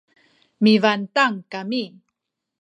mipantang kami